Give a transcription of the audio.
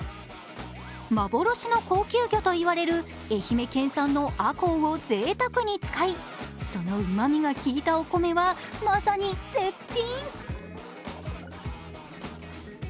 幻の高級魚といわれる愛媛県産のあこうをぜいたくに使いそのうまみが効いたお米は、まさに絶品。